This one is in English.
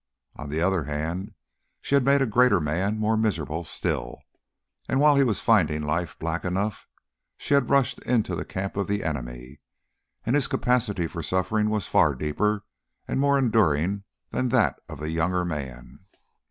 On the other hand, she had made a greater man more miserable still, and while he was finding life black enough she had rushed into the camp of the enemy; and his capacity for suffering was far deeper and more enduring than that of the younger man.